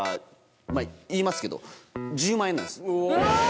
言いますけど１０万円なんです。うわ！